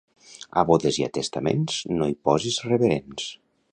A bodes i a testaments no hi posis reverends.